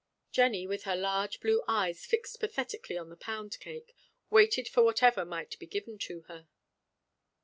Jennie, with her large blue eyes fixed pathetically on the pound cake, waited for whatever might be given to her.